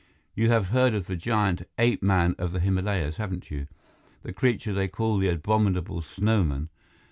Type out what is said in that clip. You have heard of the giant ape man of the Himalayas, haven't you? The creature they call the Abominable Snowman?